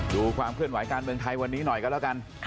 ดูความเคลื่อนไหวการเมืองไทยวันนี้หน่อยกันแล้วกัน